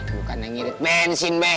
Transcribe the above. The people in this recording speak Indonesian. aduh kan yang irit bensin be